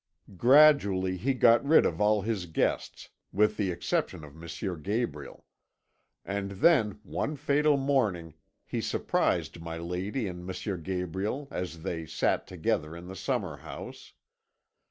"Gradually he got rid of all his guests, with the exception of M. Gabriel; and then, one fatal morning, he surprised my lady and M. Gabriel as they sat together in the summer house.